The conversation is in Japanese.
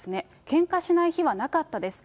けんかしない日はなかったです。